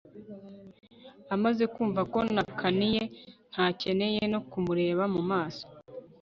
amaze kumva ko nakaniye ntakeneye no kumureba mu maso